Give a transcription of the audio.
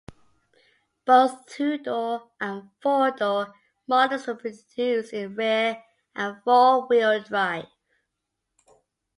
Both two-door and four-door models were produced in rear- and four-wheel drive.